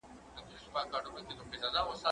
زه انځور نه ګورم!؟